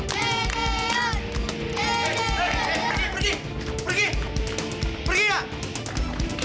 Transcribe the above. pergi pergi pergi pergi gak